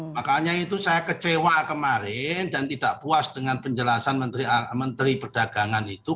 makanya itu saya kecewa kemarin dan tidak puas dengan penjelasan menteri perdagangan itu